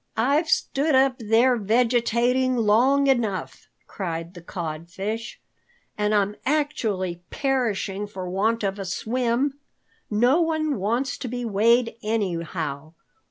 "I've stood up there vegetating long enough," cried the Codfish. "And I'm actually perishing for want of a swim. No one wants to be weighed anyhow.